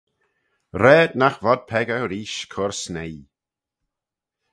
Raad nagh vod peccah reesht cur snieh.